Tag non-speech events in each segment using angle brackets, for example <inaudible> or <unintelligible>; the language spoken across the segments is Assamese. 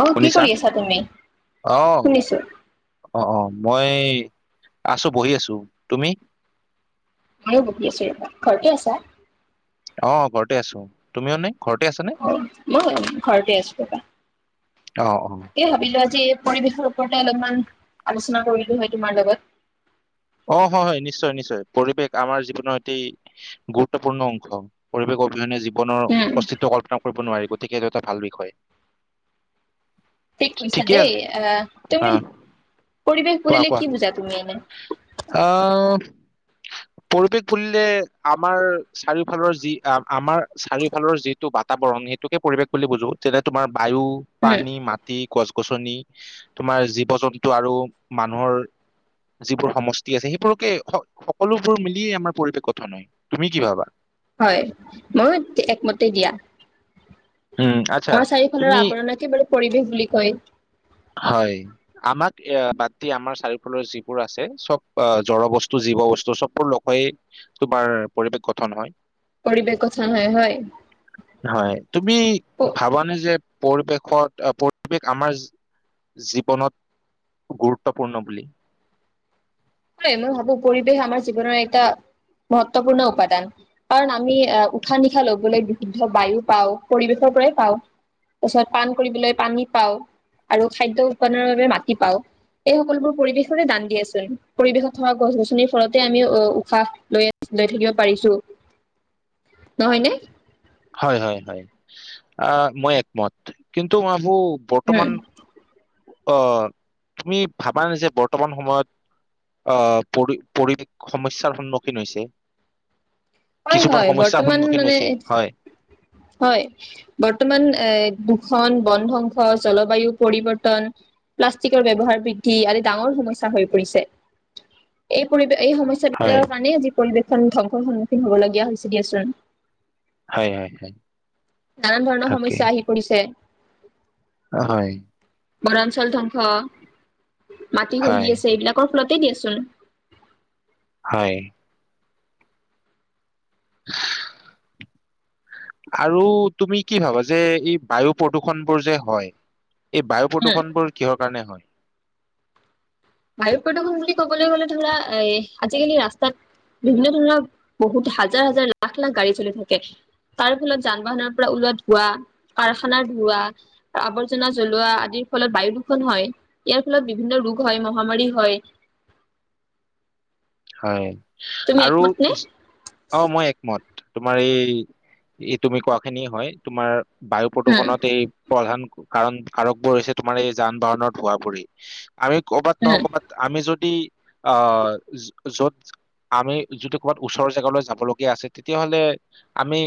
মৌ' কি শুনিছা? কৰি আছা তুমি, অ', শুনিছো অ' অ' মই আছোঁ বহি আছো তুমি। মইয়ো বহি আছো ঘৰতে আছা? অ' ঘৰতে আছোঁ তুমিও নে ঘৰতে আছানে? মই ঘৰতে আছো ৰবা অ', অ'। এ ভাবিলো আজি পৰিৱেশৰ ওপৰতে অলপমান আলোচনা কৰিলো হয় তোমাৰ লগত। অ' হয় হয় নিশ্চয় নিশ্চয় পৰিৱেশ আমাৰ জীৱনৰ সৈতেই গুৰুত্বপূৰ্ণ অংশ পৰিৱেশ অবিহয়নে যি বনৰ উম, অস্তিত্ব কল্পনা কৰিব নোৱাৰি গতিকে এইটো এটা ভাল বিষয়। ঠিক কৈছা ঠিকে দেই আছে আহ তুমি অ', পৰিৱেশ বুলিলে কি বুজা তুমি এনে। অ' <inaudible> পৰিৱেশ বুলিলে আমাৰ চাৰিওফালৰ যি আমাৰ চাৰিওফালৰ যিটো বাতাবৰণ সেই এইটোকে পৰিৱেশ বুলি বুজো যেনে তোমাৰ বায়ু উম, পানী, মাটি গছ -গছনি তোমাৰ জীৱ- জন্তু আৰু মানুহৰ যিবোৰ সমষ্টি আছে সেইবোৰকে সকলোবোৰ মিলিয়েই আমাৰ পৰিৱেশ গঠন হয় তুমি কি ভাবা হয় ময়ো একমতে দিয়া উম আচ্ছা আমাৰ চাৰিওফালৰ তুমি আৱৰণ একেবাৰে পৰিৱেশ বুলি কয়। হয় আমাক এ বাদতি আমাৰ চাৰিওফালৰ যিবোৰ আছে চব অ জ্বৰ বস্তু জীৱ বস্তু চববোৰ হয় তোমাৰ পৰিৱেশ গঠন হয় পৰিৱেশ গঠন হয় হয় হয় তুমি ভাবানে যে পৰিৱেশত পৰিৱেশ আমাৰ জীৱনত গুৰুত্বপূৰ্ণ বুলি হয় মই ভাবো পৰিৱেশ আমাৰ জীৱনৰ এটা মহত্বপূৰ্ণ উপাদান কাৰণ আমি আহ উশাহ নিশাহ লবলৈ বিশুদ্ধ বায়ু পাওঁ পৰিৱেশৰ পৰাই পাওঁ তাৰ পিছত পাণ কৰিবলৈ পানী পাওঁ আৰু খাদ্য উৎপাদনৰ বাবে মাটি পাও এই সকলোবোৰ পৰিৱেশৰে দান দিয়াছোন পৰিৱেশত থকা গছ গছনিৰ ফলতে আমি উশাহ লৈ লৈ থাকিব পাৰিছো নহয় নে হয় হয় হয় আ মই একমত কিন্তু ভাবো উম বৰ্তমান অ' তুমি ভাবাে যে বৰ্তমান সময়ত আহ পৰি পৰিৱেশ সমস্যাৰ সন্মুখীন হৈছে হয় কিছুমান হয় সমস্যাৰ বৰ্তমান সন্মুখীন মানে হৈছে হয় হয় বৰ্তমান এ দুখন বন ধ্বংস জলবায়ু পৰিৱৰ্তন প্লাষ্টিকৰ ব্যৱহাৰ বৃদ্ধি আদি ডাঙৰ সমস্যা হৈ পৰিছে এই পৰি এই সমস্যা হয় কাৰণে আজি পৰিৱেশন ধংসৰ সন্মুখীন হ'বলগীয়া হৈছে দিয়াচোন হয় হয় হয় নানান ধৰণৰ তাকে সমস্যা আহি পৰিছে হয় বৰঞ্চল ধ্বংস মাটি খহি হয় আছে এইবিলাকৰ ফলতে দিয়েচোন হয় <unintelligible> আৰু তুমি কি ভাবা যে এই বায়ু প্ৰদূষণ বোৰ যে হয় এই বায়ু উম প্ৰদূষণ বোৰ কিহৰ কাৰণে হয় বায়ু প্ৰদশন বুলি ক'বলৈ গ'লে ধৰা এ আজিকালি ৰাস্তাত বিভিন্ন ধৰণৰ বহুত হাজাৰ হাজাৰ লাখ লাখ গাড়ী চলি থাকে তাৰ ফলত যান বাহনৰ পৰা ওলোৱা ধোৱা কাৰখানা ধোৱা আৱৰ্জনা জ্বলোৱা আদিৰ ফলত বায়ু দূষণ হয় ইয়াৰ ফলত বিভিন্ন ৰোগ হয় মহামাৰি হয় হয় তুমি আৰু একমত নে? অ মই একমত তোমাৰ এই তুমি কোৱা খিনি হয় তোমাৰ বায়ু উম প্ৰদূষণত এই প্ৰধান কাৰণ কাৰকবোৰ হৈছে তোমাৰ এই যান বাহনৰ ধোঁৱাবোৰে আমি কৰ'বাত নহয় উম ক'ৰবাত আমি যদি অ য'ত আমি যদি ক'ৰবাত ওচৰৰ জেগালৈ যাব লগীয়া আছে তেতিয়াহলে আমি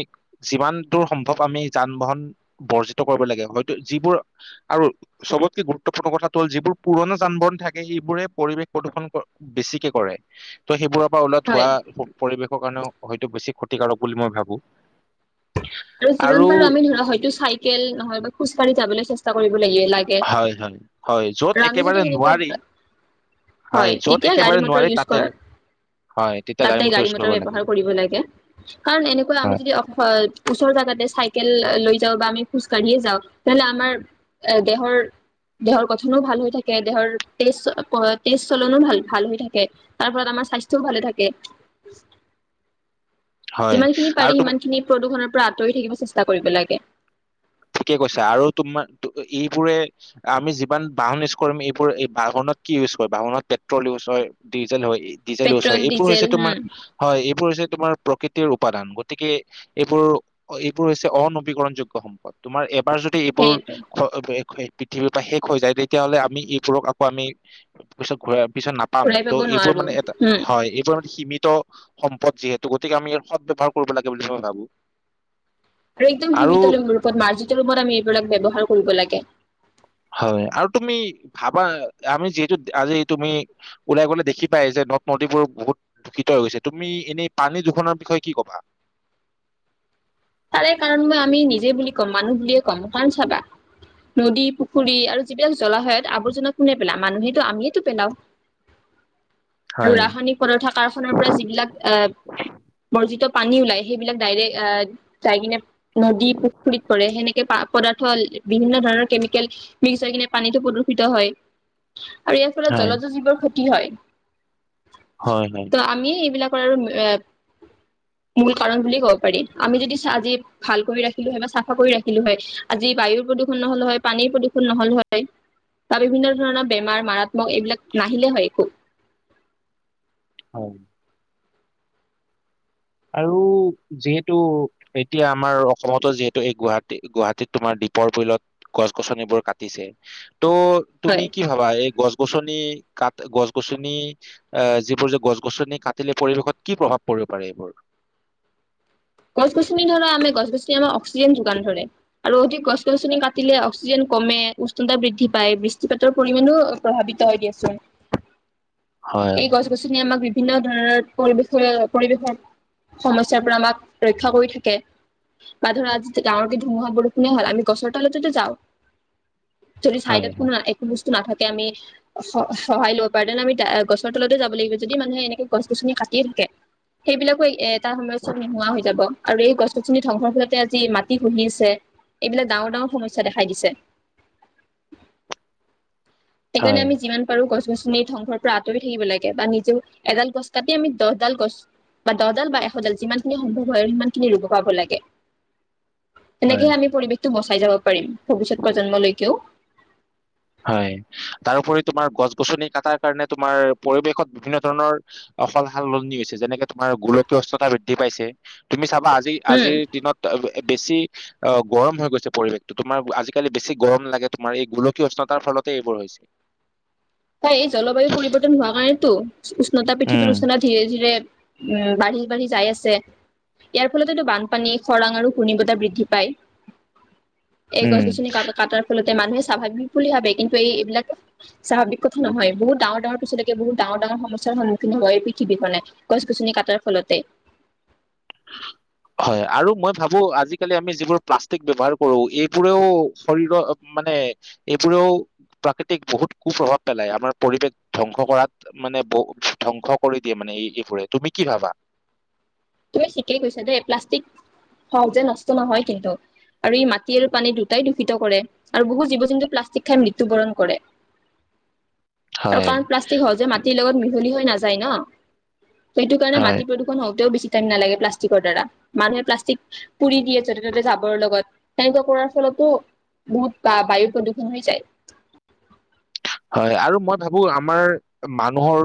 যিমান দূৰ সম্ভৱ আমি যান বাহন বৰ্জিত কৰিব লাগে হয়তো যিবোৰ আৰু চবতকে গুৰুত্বপূৰ্ণ কথাটো হ'ল যিবোৰ পুৰণা যান বাহন থাকে সেইবোৰে পৰিৱেশ প্ৰদূষণ বেছিকে কৰে ত' সেইবোৰৰ পৰা ওলোৱা হয়। ধোৱা পৰিৱেশৰ কাৰণেও হয়তো বেছি ক্ষতিকাৰক বুলি মই ভাবো আৰু যিমান পাৰো আমি ধৰি লোৱা হয়তো চাইকেল নহয় বা খোজ কাঢ়ি যাবলৈ চেষ্টা কৰিব লাগিবে লাগে। হয় হয় হয়, য'ত আৰু আমি যদি একেবাৰে সেনেকুৱা নোৱাৰি- হয়, য'ত তেতিয়া গাড়ী একেবাৰে মটৰ নোৱাৰি ইউজ তাতে কৰে। হয়, তেতিয়া তাতে গাড়ী ইউজ মটৰ কৰিব লাগে। ব্যৱহাৰ কৰিব লাগে, কাৰণ এনেকুৱা আমি হয়, যদি অসয়- ওচৰ জাগাতে চাইকেল লৈ যাওঁ বা আমি খোজকাঢ়িয়ে যাওঁ, তেহলে আমাৰ এ দেহৰ- দেহৰ গঠনো ভাল হৈ থাকে দেহৰ তেজ তেজ চলনো ভাল ভাল হৈ থাকে। তাৰ ফলত আমাৰ স্বাস্থ্যও ভালে থাকে। হয় যিমান খিনি আৰু পাৰি তুমি সিমান খিনি প্ৰদূষণৰ পৰা আঁতৰি থাকিব চেষ্টা কৰিব লাগে। ঠিকে কৈছা আৰু তোমাৰ এইবোৰে- আমি যিমান বাহন ইউজ কৰিম এইবোৰ এই বাহনত কি ইউজ কৰে, বাহনত পেট্ৰল ইউজ হয়, - ডিজেল হয় ডিজেল ইউচ পেট্ৰল হয়, এইবোৰ ডিজেল হৈছে হম তোমাৰ- হয়, এইবোৰ হৈছে তোমাৰ প্ৰকৃতিৰ উপাদান। গতিকে, - এইবোৰ এইবোৰ হৈছে অনবীকৰণ যোগ্য সম্পদ তোমাৰ এবাৰ যদি এইবোৰ- সেইটো পৃথিৱীৰ পৰা শেষ হৈ যায় তেতিয়াহ'লে আমি এইবোৰক আকৌ আমি পিছত ঘূৰা পিছত না- পাম ঘূৰাই পাব ত' এইবোৰ নোৱাৰো মানে এটা হম হয়, এইবোৰ মানে সীমিত- সম্পদ যিহেতু, গতিকে আমি ইয়াৰ সদ ব্যৱহাৰ কৰিব লাগে বুলি মই ভাবো। আৰু একদম সীমিত ৰূপত মাৰ্জিত ৰূপত আমি এইবিলাক ব্যৱহাৰ কৰিব লাগে। হয়, আৰু তুমি ভাবা আমি যিহেতু আজি তুমি- ওলাই গ'লে দেখি পায় যে নদ নদীবোৰ বহুত- দূষিত হৈ গৈছে। তুমি এনেই পানী দুষণৰ বিষয়ে কি কবা? তাৰে কাৰণ মই আমি নিজে বুলি ক'ম মানুহ বোলিয়ে কম, কাৰণ চাবা, - নদী পুখুৰী আৰু যিবিলাক জলাহয়ত আৱৰ্জনা কোনে পেলায় মানুহেইটো আমিয়েটো পেলাওঁ। আৰু হয় ৰাসায়নিক- পদাৰথ কাৰখনৰ পৰা যিবিলাক আহ বৰ্জিত পানী ওলাই সেইবিলাক ডাইৰেক আ- যাই কিনে নদী পুখুৰীত পৰে। সেনেকে পা- পদাৰ্থ বিভিন্ন ধৰণৰ কেমিকেল মিক্স হৈ কিনে পানীটো প্ৰদূষিত হয়। আৰু ইয়াৰ ফলত হয় জলজ জীৱৰ ক্ষতি হয় হয় হয় ত আমি এইবিলাক- কৰ আৰু এ মূল কাৰণ বুলি ক'ব পাৰি। আমি যদি চা আজি- ভাল কৰি ৰাখিলো হয় বা চাফা কৰি ৰাখিলো হয় আজি বায়ুৰ প্ৰদূৰণ নহল হয় পানীৰ প্ৰদূষণ নহল হয়। বা বিভিন্ন ধৰণৰ বেমাৰ মাৰাত্মক এইবিলাক নাহিলে হয় একো। হয়। আৰু যিহেতু- এতিয়া আমাৰ অসমতো যিহেতু, এই গুৱাহাটী গুৱাহাটীত তোমাৰ দ্বীপৰ বিলত- গছ গছনিবোৰ কাটিছে, ত' হয় তুমি কি- ভাবা এই গছ গছনি কাট গছ গছনি- আহ যিবোৰ যে গছ গছনি কাটিলে পৰিৱেশত কি প্ৰভাৱ পৰিব পাৰে এইবোৰ? গছ গছনি ধৰা, আমি গছ গছনি আমাক অক্সিজেন যোগান ধৰে। আৰু অধিক গছ গছনি কাটিলে অক্সিজেন কমে উষ্ণতা বৃদ্ধি পায়। বৃষ্টি পাতৰ পৰিমাণো- প্ৰভাৱিত হৈ দিয়াচোন। হয় এই গছ- গছনিয়ে আমাক বিভিন্ন ধৰণৰ পৰিৱেশ পৰিৱেশৰ সমস্যাৰ পৰা আমাক- ৰক্ষা কৰি থাকে। বা ধৰা আজি ডাঙৰকে ধুমুহা বৰষুণে হল আমি গছৰ তলতেটো যাওঁ। যদি হয় চাইডত কোনো একো বস্তু নাথাকে আমি- সহায় ল'ব পাৰো তেনে আমি গছৰ তলতে যাব লাগিব, যদি মানুহে এনেকে গছ গছনি কাটিয়ে থাকে। সেইবিলাকো এট- এটা সময় চব নোহোৱা হৈ যাব। আৰু এই গছ-গছিনি ধ্বংসৰ ফলতে আজি মাটি শুহি আছে। এইবিলাক ডাঙৰ ডাঙৰ সমস্যা দেখাই দিছে। হয় সেইকাৰণে যিমান পাৰোঁ গছ-গছনি ধ্বংসৰ পৰা আঁতৰি থাকিব লাগে, বা নিজে এডাল গছ কাটি আমি দহডাল গছ বা দহডাল বা এশডাল যিমানখিনি সম্ভৱ ভয় সিমান খিনি ৰুব পাব লাগে, তেনেকে হয় আমি পৰিৱেশটো বচাই যাব পাৰিম। ভৱিষ্যত প্ৰজন্মলৈকেওঁ। হয়', তাৰোপৰি তোমাৰ গছ গছনি কটাৰ কাৰণে তোমাৰ পৰিৱেশত বিভিন্ন ধৰণৰ অ', সল সালনি হৈছে যেনেকে তোমাৰ গোলকীয়স্ততা বৃদ্ধি পাইছে, তুমি চাবা আজি- উম আজিৰ দিনত বেছি অ' গৰম হৈ গৈছে পৰিৱেশটো তোমাৰ, আজিকালি বেছি গৰম লাগে তোমাৰ এই গোলক উষ্ণতাৰ ফলতে এইবোৰ হৈছে। তাই জলবায়ু পৰিৱৰ্তন হোৱা কাৰণেতো, উষ্ণতা উম, পৃথিৱীৰ উষ্ণতা ধীৰে ধীৰে উম', বাঢ়ি বাঢ়ি যাই আছে। ইয়াৰ ফলতেতো বানপানী খৰাং আৰু ঘূৰ্ণবতা বৃদ্ধি পায়। এই উম। গছ-গছনি কাটাৰ ফলতে মানুহে স্বাভাৱিক বুলি ভাবে, কিন্তু এইবিলাক স্বাভাৱিক কথা নহ বহুত ডাঙৰ ডঙৰ পিছলৈকে বহুত ডাঙৰ ডঙৰ সমস্যাৰ সন্মুখীন হয় পৃথিবীখনে। গছ-গছনি কাটাৰ ফলতে। উ হয়', আৰু মই ভাবো আজিকালি আমি যিবোৰ প্লাষ্টিক ব্যৱহাৰ কৰো, এইবোৰেও শৰীৰৰ মানে এইবোৰেও প্ৰাকৃতিক বহুত কু প্ৰভাৱ পেলাই, আমাৰ পৰিৱেশ ধ্বংস কৰাত। মানে বহুত ধ্বংস কৰি দিয়ে মানে এই- এইবোৰে। তুমি কি ভাবা? তুমি ঠিকেই কৈছা দেই প্লাষ্টিক, সহজে নষ্ট নহয় কিন্তু। আৰু ই' মাটি আৰু পানী দুটাই দূষিত কৰে। আৰু বহু জীৱ জন্তু প্লাষ্টিক খাই মৃত্যু বৰণ কৰে। <inaudible> আৰু হয়, কাৰণ প্লাষ্টিক সহজে মাটিৰ লগত মিহলি হৈ নাযায় ন'। সেইটো কাৰণে হয়, মাটি প্ৰদ হওঁতেও বেছি টাইম নালাগে প্লাষ্টিকৰ দ্বাৰা, মানুহে প্লাষ্টিক পুৰি দিয়ে যতে টতে যাবৰ লগত, তেনেকুৱা কৰাৰ ফলতো বহুত বা বায়ু প্ৰদূষণ হৈ যায়। হয়', আৰু মই ভাবো আমাৰ মানুহৰ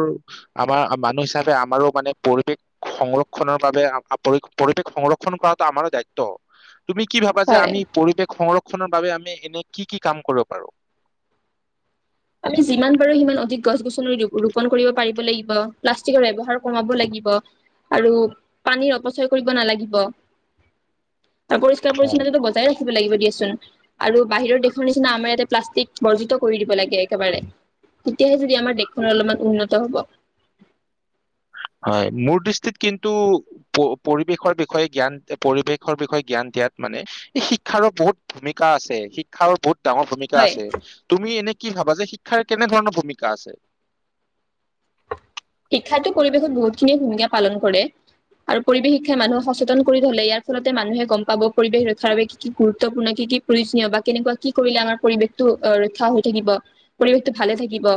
আমাৰ মানুহ হিচাপে আমাৰো মানে পৰিৱেশ সংৰক্ষণৰ বাবে পৰি- পৰিৱেশ সংৰক্ষণ কৰাটো আমাৰো দায়িত্ব। তুমি কি ভাবা যে হয় আমি পৰিৱেশ সংৰক্ষনৰ বাবে আমি এনে কি কি কাম কৰিব পাৰো? আমি যিমান পাৰো সিমান অধিক গছ-গছনি ৰোপন কৰিব পাৰিব লাগিব, প্লাষ্টিকৰ ব্যৱহাৰ কমাব লাগিব। আৰু পানীৰ অপচয় কৰিব নালাগিব, আৰু পৰিষ্কাৰ হয়, পৰিছন্নতাটো বজাই বজাই ৰাখিব লাগিব দিয়াচোন। আৰু বাহিৰৰ দেশৰ নিচিনা আমাৰ ইয়াতে প্লাষ্টিক বৰ্জিত কৰি দিব লাগে। একেবাৰে, তেতিয়াহে যদি আমাৰ দেশখন অলপমান উন্নত হ'ব। হয়', মোৰ দৃষ্টিত কিন্তু পৰিৱেশৰ বিষয়ে জ্ঞান, পৰিৱেশৰ বিষয়ে জ্ঞান দিয়াত মানে শিক্ষাৰো বহুত ভূমিকা আছে, শিক্ষাৰ বহুত ডাঙৰ ভূমিকা হয় আছে, তুমি এনে কি ভাবা যে শিক্ষাৰ কেনে ধৰণৰ ভূমিকা আছে? শিক্ষাটো পৰিৱেশত বহুত খিনিয়ে ভূমিকা পালন কৰে। আৰু পৰিৱেশ শিক্ষাই মানুহক সচেতন কৰি তোলে। ইয়াৰ ফলতে মানুহে গম পাব পৰিৱেশ ৰক্ষাৰ বাবে কি কি গুৰুত্বপূৰ্ণ, কি কি প্ৰয়োজনীয় বা কেনেকুৱা কি কৰিলে আমাৰ পৰিৱেশটো ৰক্ষা হৈ থাকিব। পৰিৱেশটো ভালে থাকিব,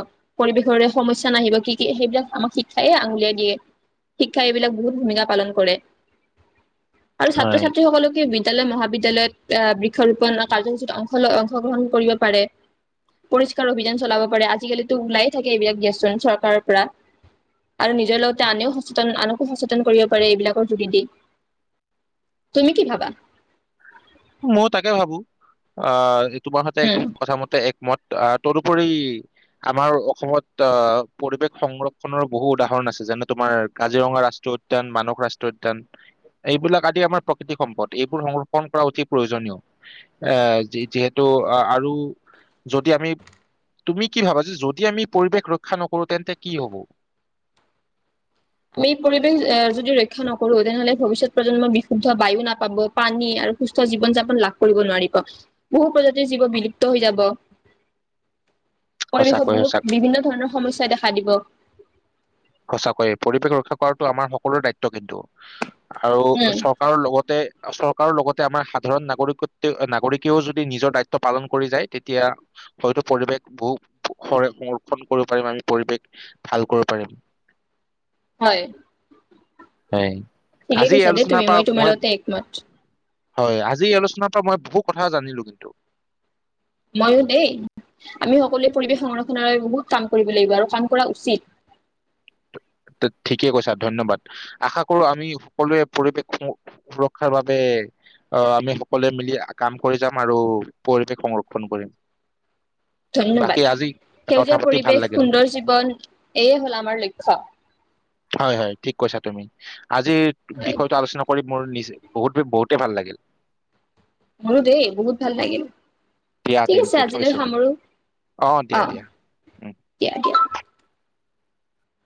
পৰিৱেশৰে সমস্যা নাহিব, কি কি সেইবিলাক আমাক শিক্ষাই আঙুলিয়াই দিয়ে, শিক্ষাই এইবিলাক বহুত ভূমিকা পালন কৰে। আৰু ছাত্ৰ হয়, ছাত্ৰী সকলকে, বিদ্যালয়, মহাবিদ্যালয়ত আহ বৃক্ষৰোপণ কাৰ্যসূচীত অংশ অংশগ্ৰহণ কৰিব পাৰে। পৰিষ্কাৰ অভিযান চলাব পাৰে আজিকালিতো ওলাইে থাকে এইবিলাক গেছ চৰকাৰৰ পৰা আৰু নিজৰ লগতে আনেও সচেতন আনকো সচেতন কৰিব পাৰে এইবিলাকৰ যোগেদি। তুমি কি ভাবা? মইও তাকে ভাবো আহ তোমাৰ সৈতে উম একদম কথা মতে এক মত তদুপৰি আমাৰ অসমত অ পৰিৱেশ সংৰক্ষনৰৰ বহু উদাহৰণ আছে, যেনে তোমাৰ কাজিৰঙা ৰাষ্ট্ৰীয়ত উদ্যান উদ্যান, মানহ ৰাষ্ট্ৰীয় উদ্যান, এইবিলাক আদি আমাৰ প্ৰকৃতিক সম্পদ, এইবোৰ সংৰক্ষণ কৰা অতি প্ৰয়োজনীয় এ যিহেতু আৰু যদি আমি তুমি কি ভাবা, যে যদি আমি পৰিৱেশ ৰক্ষা নকৰো তেন্তে কি হব? আমি পৰিৱেশ এ যদি ৰক্ষা নকৰো তেনেহলে ভৱিষ্যত প্ৰজন্ম বিশুদ্ধ বায়ু নাপাব পানী, আৰু সুস্থ জীৱন-যাপন লাভ কৰিব নোৱাৰিব, বহু প্ৰজাতিৰ জীৱ বিলুপ্ত হৈ যাব। সঁচাকৈ পৰিৱেশত সঁচা বহুত বিভিন্ন ধৰণৰ সমস্যাই দেখা দিব। সঁচাকৈয়ে পৰিৱেশ ৰক্ষা কৰাটো আমাৰ সকলোৰে দায়িত্ব কিন্তু আৰু উম সব আৰু লগতে চৰকাৰৰ লগতে আমাৰ সাধাৰণ নাগৰিকত্ব নাগৰিকেও যদি নিজৰ দায়িত্ব পালন কৰি যায়, তেতিয়া হয়তো পৰিৱেশ বহু সংৰক্ষণ কৰিব পাৰিম আমি পৰিৱেশ ভাল কৰিব পাৰিম। হয় হয়, ঠিকেই আজি কৈছা দেই তুমি আলোচনাৰ পৰা তোমাৰ মই লগতে একমত হয়, আজি এই আলোচনাৰ পৰা মই বহুত কথা জানিলো কিন্তু মইও দেই আমি সকলোৱে পৰিৱেশ সংৰক্ষণৰ বহুত কাম কৰিব লাগিব আৰু কাম কৰা উচিত। তই ঠিকে কৈছা ধন্যবাদ, আশা কৰো আমি সকলোৱে পৰিৱেশ সমূহ সুৰক্ষাৰ বাবে অ আমি সকলোৱে মিলি কাম কৰি যাম আৰু পৰিৱেশ সংৰক্ষণ কৰিম ধন্যবাদ বাকী আজি কথা সেউজীয়া পাতি ভাল পৰিৱেশ, লাগিল সুন্দৰ জীৱন এয়ে হল আমাৰ লক্ষ্য হয় হয় ঠিক কৈছা তুমি আজিৰ বিষয়টো আলোচনা কৰি মোৰ নিজে বহুত বহুতেই ভাল লাগিল। মোৰো দেই বহুত ভাল লাগিল দিয়া ঠিক আছে তেন্তে আজিলৈ থৈছো সামৰো, অ দিয়া দিয়া উম। দিয়া দিয়া